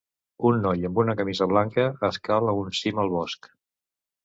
Un noi amb una camisa blanca escala un cim al bosc.